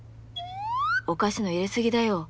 お菓子の入れすぎだよ。